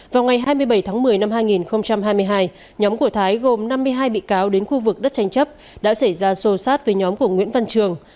vào ngày hai mươi bảy tháng một mươi năm hai nghìn hai mươi hai nhóm của thái gồm năm mươi hai bị cáo đến khu vực đất tranh chấp đã xảy ra sô sát với nhóm của nguyễn văn trường